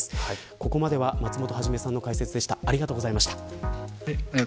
ここまでは松本肇さんの解説でした。